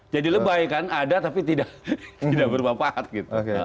jadi lebay kan ada tapi tidak berapa apa